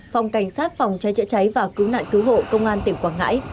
phòng cảnh sát phòng cháy chữa cháy và cứu nạn cứu hộ công an tỉnh quảng ngãi